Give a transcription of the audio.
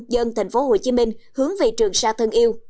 dân tp hcm hướng về trường sa thân yêu